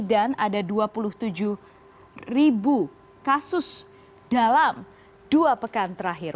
dan ada dua puluh tujuh kasus dalam dua pekan terakhir